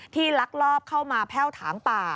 ลักลอบเข้ามาแพ่วถางป่า